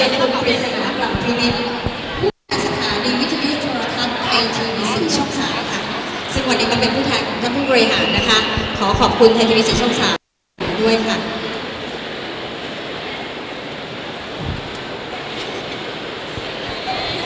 วันนี้กำลังเป็นผู้แทนกับผู้บริหารนะคะขอขอบคุณไทยทีวีสิทธิ์ช่องสาวด้วยค่ะ